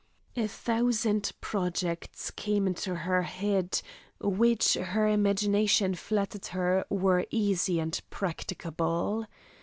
A thousand projects came into her head, which her imagination flattered her were easy and practicable.